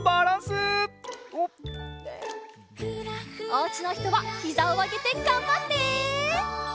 おうちのひとはひざをあげてがんばって！